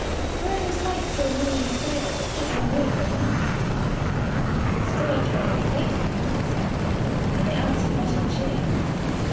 Where are those lights so many and fair, That signal made but now?" "Strange, by my faith!" the Hermit said "And they answered not our cheer!